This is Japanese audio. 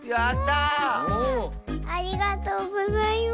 わあありがとうございます。